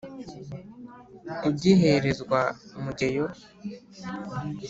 ugiherezwa mugeyo.